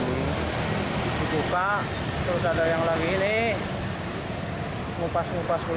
ini kan mau mengadakan pengurasan saluran